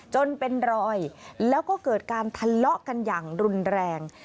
จนเป็นรอยแล้วก็เกิดการทะเลาะกันอย่างรุนแรง